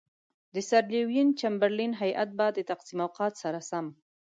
د سر لیوین چمبرلین هیات به د تقسیم اوقات سره سم.